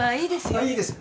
あっいいです。